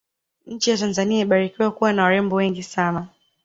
nchi ya tanzania imebarikiwa kuwa na warembo wengi sana